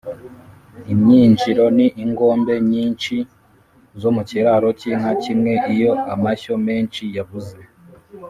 Imyinjiro ni ingombe nyinshi zo mu kiraro cy'inka kimwe Iyo amashyo menshi yabuze